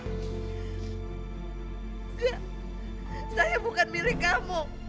saya bukan milik kamu